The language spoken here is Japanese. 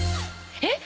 えっ⁉